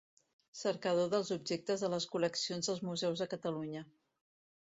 Cercador dels objectes de les col·leccions dels museus de Catalunya.